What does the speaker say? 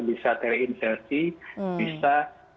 bisa terinserti bisa